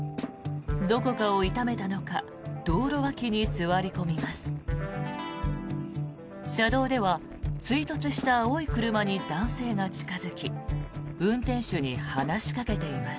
どこかを痛めたのか道路脇に座り込みます。